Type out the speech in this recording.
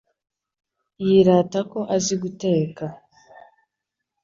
Yirata ko azi guteka.